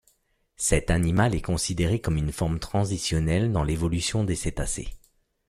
Cet animal est considéré comme une forme transitionnelle dans l'évolution des cétacés.